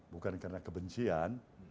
bukan karena kebencian